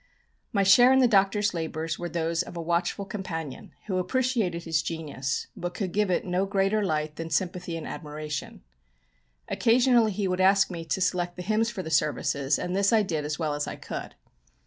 My share in the Doctor's labours were those of a watchful companion, who appreciated his genius, but could give it no greater light than sympathy and admiration. Occasionally he would ask me to select the hymns for the services, and this I did as well as I could.